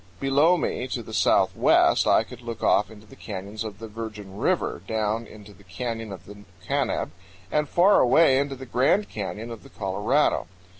Below me, to the southwest, I could look off into the canyons of the Virgen River, down into the canyon of the Kanab, and far away into the Grand Canyon of the Colorado.